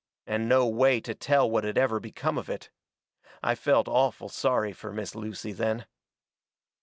And no way to tell what had ever become of it. I felt awful sorry fur Miss Lucy then.